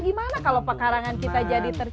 gimana kalau pekarangan kita jadi tercium